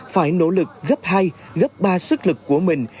phải nỗ lực gấp hai gấp ba sức lực của mình